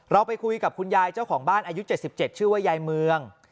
เราไปคุยกับคุณยายเจ้าของบ้านอายุ๗๗ชื่อว่ายายเมือง